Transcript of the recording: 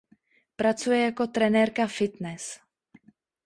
Pracuje jako trenérka fitness.